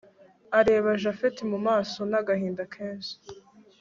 areba japhet mumaso nagahinda kenshi